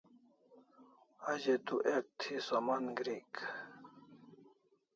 A ze tu ek thi saman grik